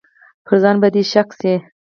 پر ځان به دې شک شي.